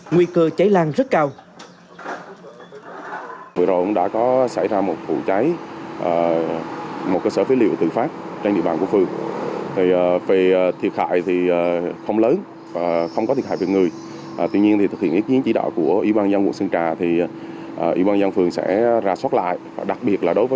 nguy cơ cháy lan rất cao